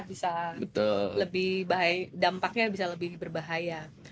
bisa lebih bahaya dampaknya bisa lebih berbahaya